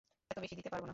এত বেশি দিতে পারব না।